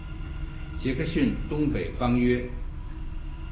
杰克逊东北方约。